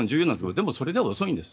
でも、それでは遅いんです。